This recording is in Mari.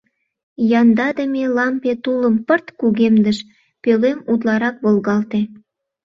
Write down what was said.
Яндадыме лампе тулым пырт кугемдыш, пӧлем утларак волгалте.